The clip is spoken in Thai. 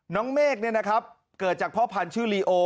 น้องเมฆเนี่ยนะครับเกิดจากพ่อพันธุ์ชื่อลีโอ